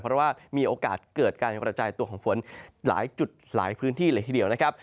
เพราะว่ามีโอกาสเกิดการกระจายตัวของฝนหลายจุดหลายพื้นที่เลยทีเดียวนะครับ